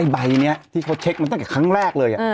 ใบนี้ที่เขาเช็คมาตั้งแต่ครั้งแรกเลย